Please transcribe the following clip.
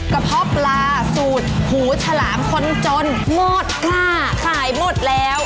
เพาะปลาสูตรหูฉลามคนจนหมดกล้าขายหมดแล้ว